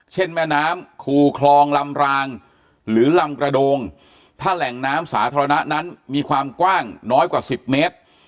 แม่น้ำคูคลองลำรางหรือลำกระโดงถ้าแหล่งน้ำสาธารณะนั้นมีความกว้างน้อยกว่า๑๐เมตร